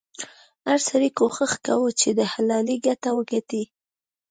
هر سړي کوښښ کاوه چې د حلالې ګټه وګټي.